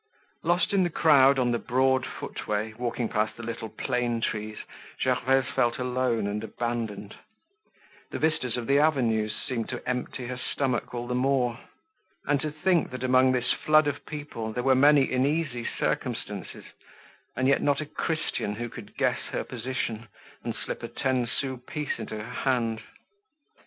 Lost in the crowd on the broad footway, walking past the little plane trees, Gervaise felt alone and abandoned. The vistas of the avenues seemed to empty her stomach all the more. And to think that among this flood of people there were many in easy circumstances, and yet not a Christian who could guess her position, and slip a ten sous piece into her hand!